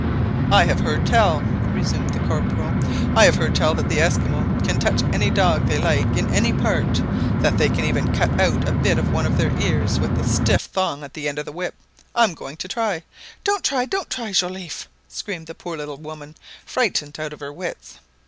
"I have heard tell," resumed the Corporal—" I've heard tell that the Esquimaux can touch any dog they like in any part, that they can even cut out a bit of one of their ears with the stiff thong at the end of the whip. I am going to try." "Don't try, don't try, Joliffe !" screamed the poor little woman, frightened out of her wits.